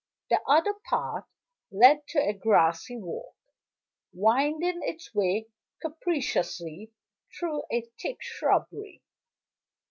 The other path led to a grassy walk, winding its way capriciously through a thick shrubbery.